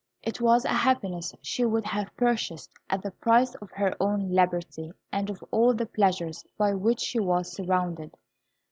It was a happiness she would have purchased at the price of her own liberty and of all the pleasures by which she was surrounded.